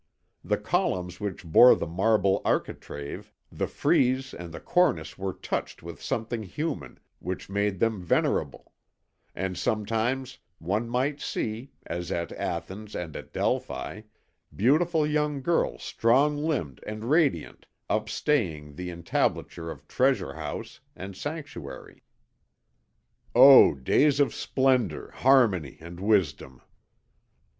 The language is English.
The columns which bore the marble architrave, the frieze and the cornice were touched with something human, which made them venerable; and sometimes one might see, as at Athens and at Delphi, beautiful young girls strong limbed and radiant upstaying the entablature of treasure house and sanctuary. O days of splendour, harmony, and wisdom!